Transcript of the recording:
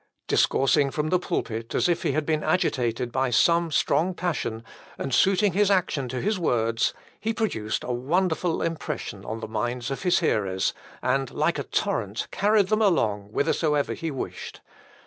Discoursing from the pulpit as if he had been agitated by some strong passion, and suiting his action to his words, he produced a wonderful impression on the minds of his hearers, and like a torrent, carried them along whithersoever he wished.